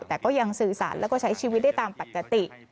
แต่ก็ยังสื่อสารแล้วก็ใช้ชีวิตได้ตามปกติ